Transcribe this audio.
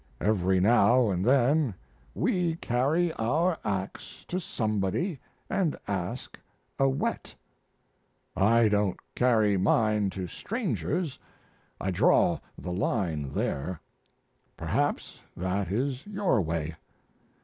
Every now and then we carry our ax to somebody and ask a whet. I don't carry mine to strangers I draw the line there; perhaps that is your way.